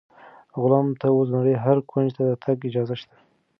غلام ته اوس د نړۍ هر کونج ته د تګ اجازه شته.